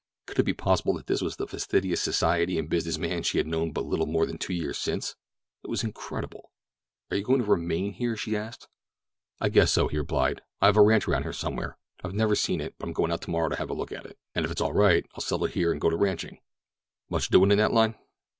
Could it be possible that this was the fastidious society and business man she had known but little more than two years since? It was incredible. "Are you going to remain here?" she asked. "I guess so," he replied. "I have a ranch around here somewhere. I've never seen it, but I'm going out tomorrow to have a look at it, and if it's all right I'll settle here and go to ranching. Much doing in that line?"